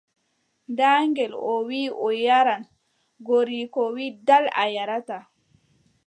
Ɗal ngel, o wii o yaaran, goriiko wii : ɗal a yaarataa.